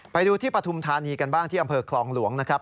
ไปดูที่ปฐุมธานีกันบ้างที่อำเภอคลองหลวงนะครับ